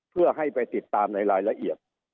เพื่อให้ไปติดตามในรายละเอียด